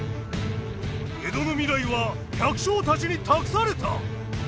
江戸の未来は百姓たちに託された！